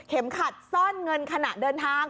ขัดซ่อนเงินขณะเดินทาง